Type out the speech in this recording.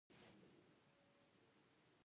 د قلعو جوړول د دفاع لپاره وو